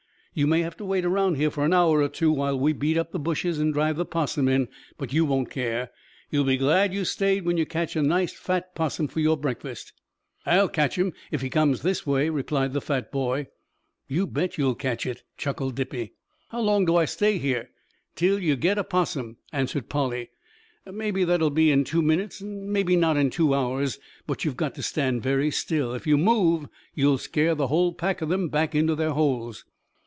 "You may have to wait around here for an hour or two while we beat up the bushes and drive the 'possum in, but you won't care. You'll be glad you stayed when you get a nice fat 'possum for your breakfast." "I'll catch him if he comes this way," replied the fat boy. "You bet you'll catch it," chuckled Dippy. "How long do I stay here?" "Till you git a 'possum," answered Polly. "Mebby that'll be in two minutes and mebby not in two hours, but you've got to stand very still. If you move you'll scare the whole pack of them back into their holes."